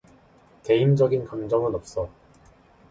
개인적인 감정은 없어.